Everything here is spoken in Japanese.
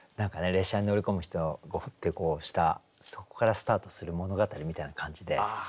列車に乗り込む人ゴホッてしたそこからスタートする物語みたいな感じで。